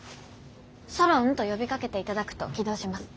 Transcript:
ソロンと呼びかけていただくと起動します。